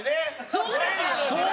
そうですよ！